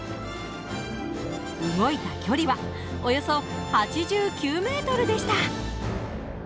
動いた距離はおよそ８９ｍでした。